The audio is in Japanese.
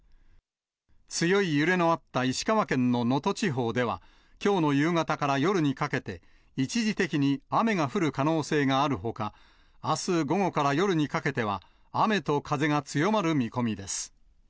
強い揺れのあった石川県の能登地方では、きょうの夕方から夜にかけて、一時的に雨が降る可能性があるほか、あす午後から夜にかけては、雨と風が強まる見込みです。